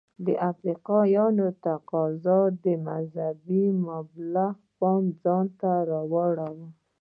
د افریقایانو تقاضا د مذهبي مبلغ پام ځانته ور اړولی و.